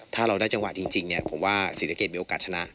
ถ้าเราได้จังหวะจริงผมว่าศรีสะเกดมีโอกาสชนะ